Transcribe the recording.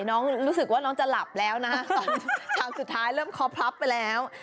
รู้สึกว่าน้องจะหลับแล้วนะฮะตอนทางสุดท้ายเริ่มคอพลับไปแล้ว